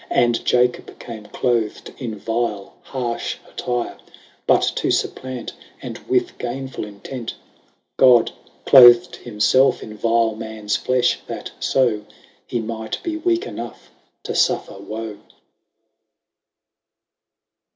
10 And Jacob came cloth'd in vile harm attire But to fupplant, and with gainfull intent: God cloth'd himfelfe in vile mans flem, that To Hee might be weake enough to fuffer woe.